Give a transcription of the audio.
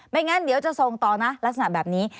งั้นเดี๋ยวจะส่งต่อนะลักษณะแบบนี้